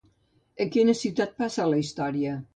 A quina ciutat passa la història?